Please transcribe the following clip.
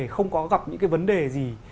không có gặp những cái vấn đề gì